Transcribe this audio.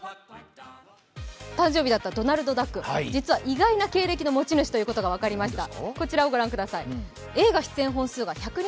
誕生日だったドナルドダック、実は意外な経歴の持ち主だということが分かりました。